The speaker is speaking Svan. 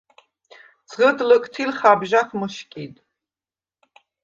ძღჷდ ლჷკთილ ხაბჟახ მჷშკიდ.